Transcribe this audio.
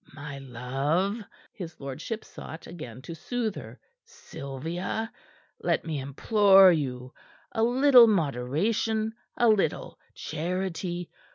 "My love!" his lordship sought again to soothe her. "Sylvia, let me implore you! A little moderation! A little charity!